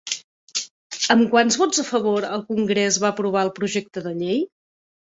Amb quants vots a favor el Congrés va aprovar el projecte de llei?